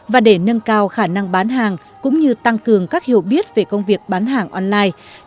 và để nâng cao khả năng bán hàng cũng như tăng cường các hiểu biết về công việc bán hàng online